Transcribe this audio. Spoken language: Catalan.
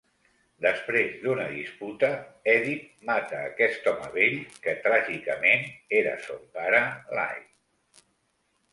Després d'una disputa, Èdip mata aquest home vell, que tràgicament era son pare Lai.